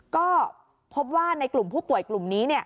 ก็พบว่าในกลุ่มผู้ป่วยกลุ่มนี้